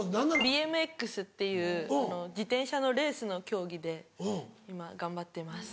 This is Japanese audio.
ＢＭＸっていう自転車のレースの競技で今頑張っています。